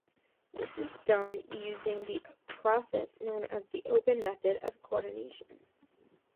This is done using the process known as the Open Method of Coordination.